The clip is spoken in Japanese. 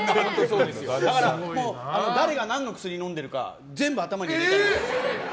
だから誰が何の薬飲んでるか全部頭に入れてます。